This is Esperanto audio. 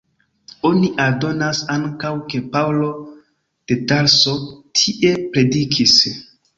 Oni aldonas ankaŭ ke Paŭlo de Tarso tie predikis.